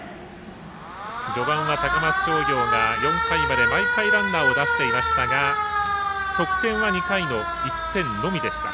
序盤は高松商業が４回まで毎回ランナーを出していましたが得点は２回の１点のみでした。